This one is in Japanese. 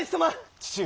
父上。